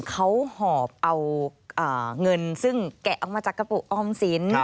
เขาหอบเอาเงินซึ่งแกะออกมาจากกระปุกออมสิน